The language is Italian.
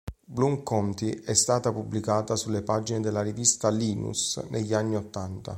Bloom County è stata pubblicata sulle pagine della rivista linus negli anni ottanta.